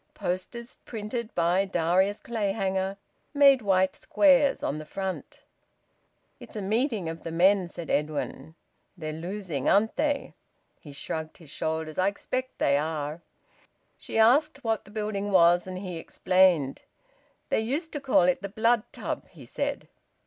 Posters printed by Darius Clayhanger made white squares on the front. "It's a meeting of the men," said Edwin. "They're losing, aren't they?" He shrugged his shoulders. "I expect they are." She asked what the building was, and he explained. "They used to call it the Blood Tub," he said.